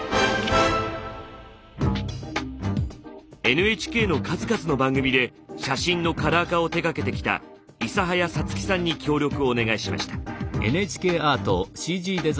ＮＨＫの数々の番組で写真のカラー化を手がけてきた伊佐早さつきさんに協力をお願いしました。